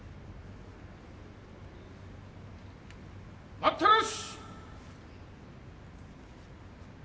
待ったなし。